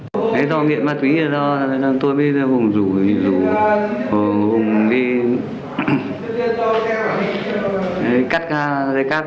đó là do nghiệp ma túy tôi mới ra hùng rủ hùng đi cắt dây cáp